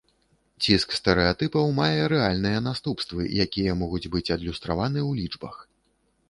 Ціск стэрэатыпаў мае рэальныя наступствы, якія могуць быць адлюстраваны ў лічбах.